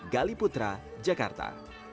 gali putra jakarta